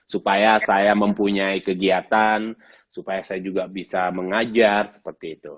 supaya saya mempunyai kegiatan supaya saya juga bisa mengajar seperti itu